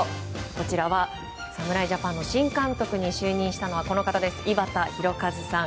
こちらは侍ジャパンの新監督に就任したのはこの方、井端弘和さん。